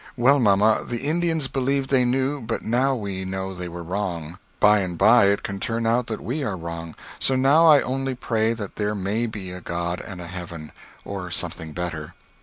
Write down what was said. "Well, mamma, the Indians believed they knew, but now we know they were wrong. By and by, it can turn out that we are wrong. So now I only pray that there may be a God and a Heaven or something better."